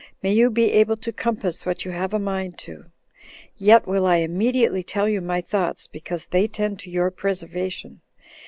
may you be able to compass what you have a mind to; yet will I immediately tell you my thoughts, because they tend to your preservation.